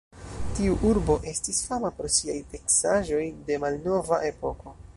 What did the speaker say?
Tiu urbo estis fama pro siaj teksaĵoj de malnova epoko.